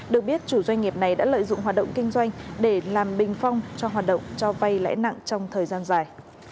được biết chủ doanh nghiệp này đã lợi dụng hoạt động kinh doanh để làm bình phong cho hoạt động cho vay lãi nặng trong thời gian dài